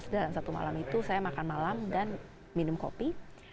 dalam satu malam itu saya makan malam dan minum kopi